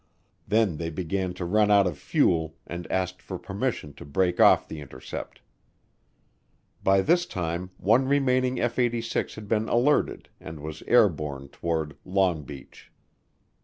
Then they began to run out of fuel and asked for permission to break off the intercept. By this time one remaining F 86 had been alerted and was airborne toward Long Beach.